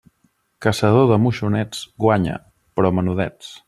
Caçador de moixonets, guanya, però menudets.